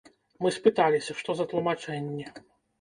Мы спыталіся, што за тлумачэнні.